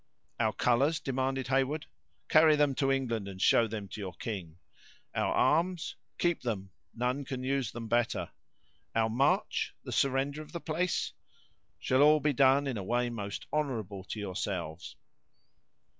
"Our colors?" demanded Heyward. "Carry them to England, and show them to your king." "Our arms?" "Keep them; none can use them better." "Our march; the surrender of the place?" "Shall all be done in a way most honorable to yourselves."